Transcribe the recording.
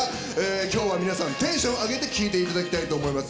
今日は皆さんテンション上げて聴いていただきたいと思います。